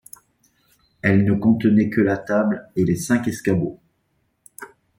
Elle ne contenait que la table et les cinq escabeaux.